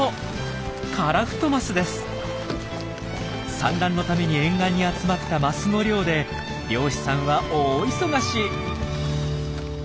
産卵のために沿岸に集まったマスの漁で漁師さんは大忙し。